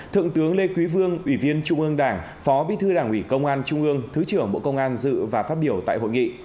thượng tướng lê quý vương ủy viên trung ương đảng phó bí thư đảng ủy công an trung ương thứ trưởng bộ công an dự và phát biểu tại hội nghị